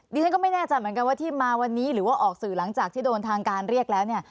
ดิฉันก็ไม่แน่ใจเหมือนกันว่าที่มาวันนี้หรือว่าออกสื่อหลังจากที่โดนทางการเรียกแล้วเนี่ย